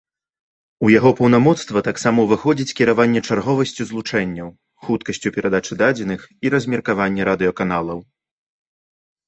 У яго паўнамоцтва таксама ўваходзіць кіраванне чарговасцю злучэнняў, хуткасцю перадачы дадзеных і размеркаванне радыёканалаў.